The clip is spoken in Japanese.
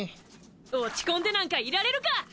落ち込んでなんかいられるか！